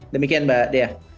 demikian mbak dea